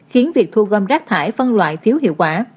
khiến việc thu gom rác thải phân loại thiếu hiệu quả